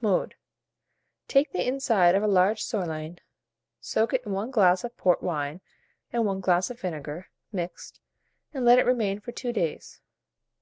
Mode. Take the inside of a large sirloin, soak it in 1 glass of port wine and 1 glass of vinegar, mixed, and let it remain for 2 days.